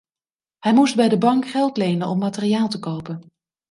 Hij moest bij de bank geld lenen om materiaal te kopen.